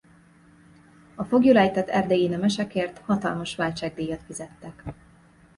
A foglyul ejtett erdélyi nemeskért hatalmas váltságdíjat fizettek.